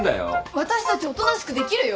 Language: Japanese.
私たちおとなしくできるよ。